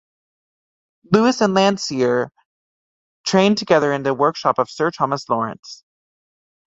Lewis and Landseer trained together in the workshop of Sir Thomas Lawrence.